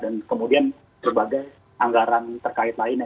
dan kemudian berbagai anggaran terkait lainnya